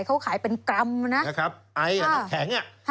เขาขายเป็นกรัมนะครับไออ่ะน้ำแข็งอ่ะ